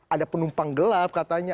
ada penumpang gelap katanya